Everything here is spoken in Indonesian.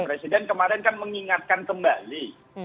presiden kemarin kan mengingatkan kembali